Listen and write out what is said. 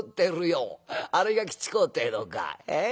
あれが吉公ってえのかええ